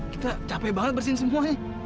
kita capek banget bersihin semuanya